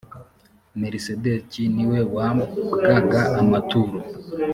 melisedeki niwe wabwaga amaturo.